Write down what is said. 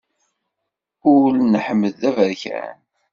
Ul n Ḥmed d aberkan.